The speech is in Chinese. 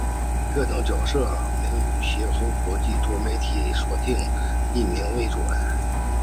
各角色译名以协和国际多媒体所定译名为准。